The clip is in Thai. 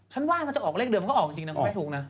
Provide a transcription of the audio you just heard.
ฉันว่าจะออกเลขเดิมก็ออกจริงนะเขาไม่ถูกนะ